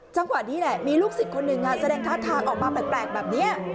จังหวะนี้แหละมีลูกศิษย์คนหนึ่งแสดงท่าทางออกมาแปลกแบบนี้